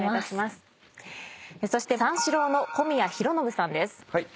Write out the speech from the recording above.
そして三四郎の小宮浩信さんです。